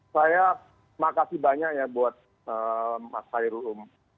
saya makasih banyak ya buat mas hairul um